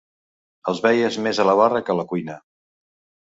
El veies més a la barra que a la cuina.